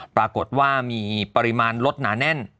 ปรากฏว่ามีปริมาณรถหนาแน่น